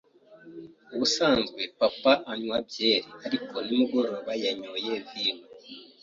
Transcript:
Ubusanzwe papa anywa byeri, ariko nimugoroba yanyoye vino.